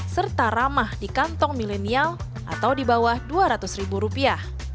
serta ramah di kantong milenial atau di bawah dua ratus ribu rupiah